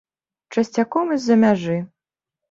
Часцяком і з-за мяжы.